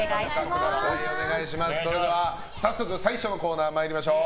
それでは早速最初のコーナー参りましょう。